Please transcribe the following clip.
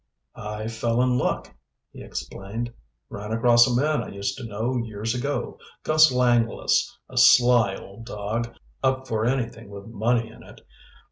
"I fell in luck," he explained. "Ran across a man I used to know years ago Gus Langless a sly old dog, up for anything with money in it.